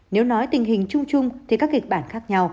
nếu nói tình hình chung chung thì các kịch bản khác nhau